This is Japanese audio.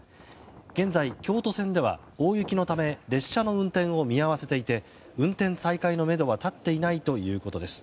現在、京都線では列車の運転を見合わせていて運転再開のめどは立っていないということです。